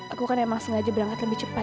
aku kan emang sengaja berangkat lebih cepat